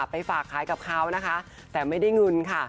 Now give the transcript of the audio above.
ไปฝากขายกับเขานะคะแต่ไม่ได้เงินค่ะ